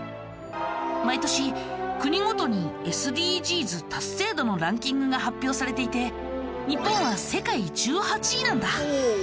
毎年国ごとにＳＤＧｓ達成度のランキングが発表されていて日本は世界１８位なんだ。